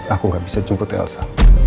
aku gak bisa jemput elsa